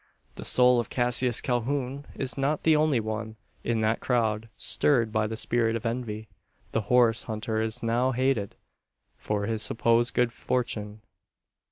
The soul of Cassius Calhoun is not the only one in that crowd stirred by the spirit of envy. The horse hunter is now hated for his supposed good fortune.